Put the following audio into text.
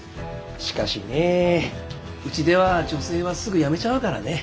しかしねえうちでは女性はすぐ辞めちゃうからね。